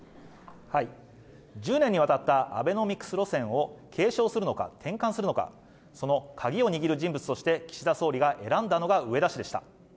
１０年にわたったアベノミクス路線を継承するのか転換するのかその鍵を握る人物として岸田総理が選んだのが植田氏でした